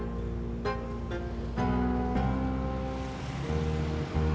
jangan lupa kita akan mencari penyelamat